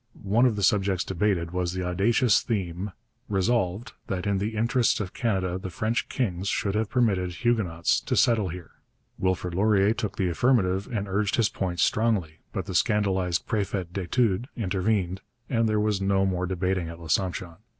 One of the subjects debated was the audacious theme, 'Resolved, that in the interests of Canada the French Kings should have permitted Huguenots to settle here.' Wilfrid Laurier took the affirmative and urged his points strongly, but the scandalized préfet d'études intervened, and there was no more debating at L'Assomption.